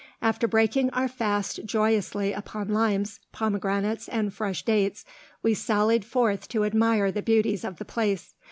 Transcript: After breaking our fast joyously upon limes, pomegranates, and fresh dates, we sallied forth to admire the beauties of the place.